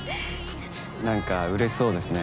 何かうれしそうですね。